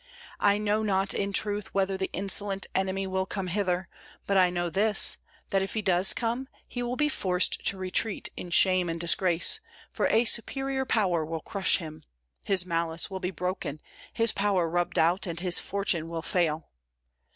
I know not in truth whether the insolent enemy will come hither; but I know this, that if he does come, he will be forced to retreat in shame and disgrace, for a superior power will crush him, his malice will be broken, his power rubbed out, and his fortune will fail.